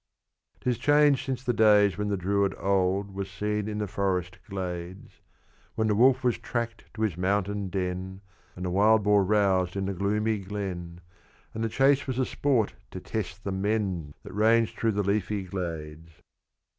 'Tis changed since the days when the Druid old Was seen in the forest glades; When the wolf was tracked to his mountain den, And the wild boar roused in the gloomy glen, And the chase was a sport to test the men That ranged through the leafy shades.